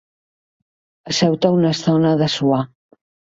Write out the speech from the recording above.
Asseu-te una estona a dessuar.